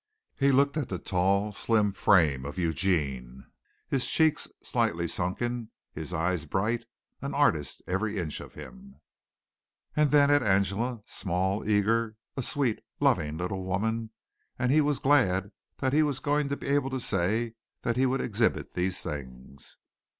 He looked at the tall, slim frame of Eugene, his cheeks slightly sunken, his eyes bright an artist every inch of him, and then at Angela, small, eager, a sweet, loving, little woman, and he was glad that he was going to be able to say that he would exhibit these things.